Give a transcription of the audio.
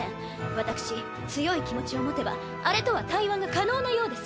私強い気持ちを持てばあれとは対話が可能なようです。